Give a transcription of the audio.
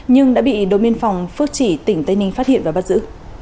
nhưng đã bị đội miên phòng phước chỉ tỉnh tây ninh phát hiện và bắt giữ